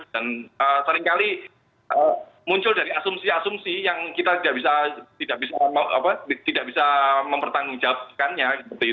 dan seringkali muncul dari asumsi asumsi yang kita tidak bisa mempertanggungjawabkannya